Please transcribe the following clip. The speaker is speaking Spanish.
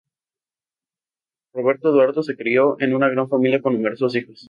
Roberto Estuardo se crio en una gran familia con numerosos hijos.